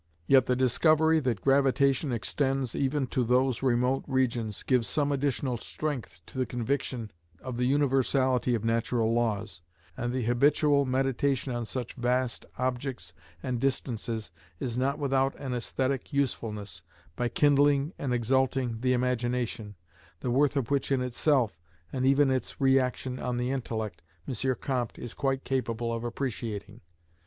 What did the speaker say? Yet the discovery that gravitation extends even to those remote regions, gives some additional strength to the conviction of the universality of natural laws; and the habitual meditation on such vast objects and distances is not without an aesthetic usefulness, by kindling and exalting the imagination, the worth of which in itself, and even its re action on the intellect, M. Comte is quite capable of appreciating.